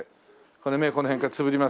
これ目この辺からつぶりますからね。